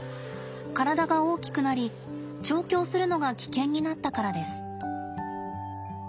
体が大きくなり調教するのが危険になったからです。